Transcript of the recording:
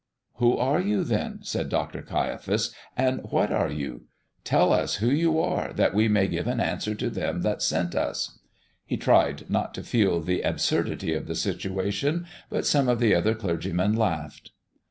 "Who are you, then?" said Dr. Caiaphas; "and what are you? Tell us who you are, that we may give an answer to them that sent us." He tried not to feel the absurdity of the situation, but some of the other clergymen laughed.